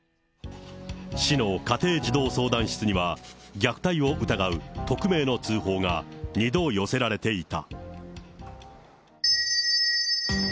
市の家庭児童相談室には、虐待を疑う匿名の通報が２度寄せられていた。